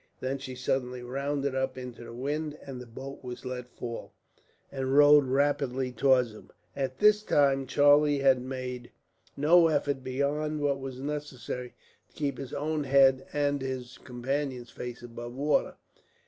Then she suddenly rounded up into the wind, and the boat was let fall, and rowed rapidly towards him. All this time, Charlie had made no effort beyond what was necessary to keep his own head, and his companion's face, above the water.